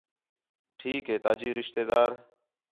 ٹھیک ہے تا جی رشتہ دار